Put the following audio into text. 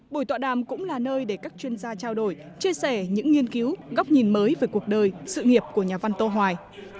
buổi tọa đàm cũng là nơi để các chuyên gia trao đổi chia sẻ những nghiên cứu góc nhìn mới về cuộc đời sự nghiệp của nhà văn tô hoài